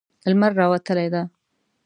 لمر راوتلی ده